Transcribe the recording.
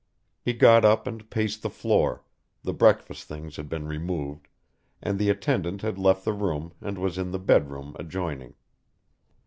He got up and paced the floor, the breakfast things had been removed, and the attendant had left the room and was in the bed room adjoining.